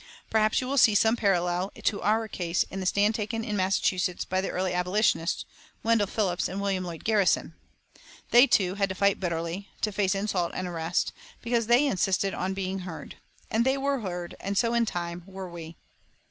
Perhaps you will see some parallel to our case in the stand taken in Massachusetts by the early Abolitionists, Wendell Phillips and William Lloyd Garrison. They, too, had to fight bitterly, to face insult and arrest, because they insisted on being heard. And they were heard; and so, in time, were we.